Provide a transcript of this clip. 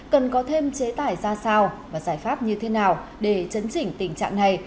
cần có thêm chế tải ra sao và giải pháp như thế nào để chấn chỉnh tình trạng này